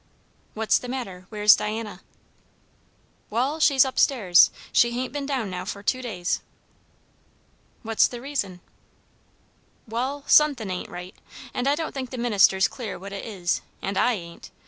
"What's the matter? Where's Diana?" "Wall, she's up stairs. She hain't been down now for two days." "What's the reason?" "Wall sun'thin' ain't right; and I don't think the minister's clear what it is; and I ain't.